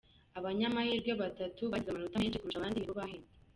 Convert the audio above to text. Abanyamahirwe batatu bagize amanota menshi kurusha abandi nibo bahembwe.